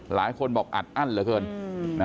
หลายคนบอกอัดอั้นเหลือเกิน